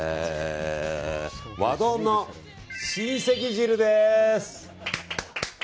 和丼の親戚汁です！